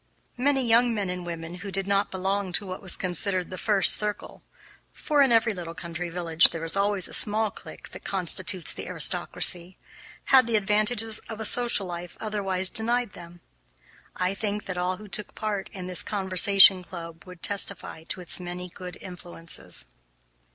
Many young men and women who did not belong to what was considered the first circle, for in every little country village there is always a small clique that constitutes the aristocracy, had the advantages of a social life otherwise denied them. I think that all who took part in this Conversation Club would testify to its many good influences.